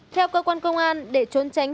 theo cơ quan công an để trốn tránh